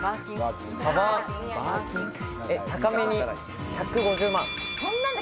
高めに１５０万。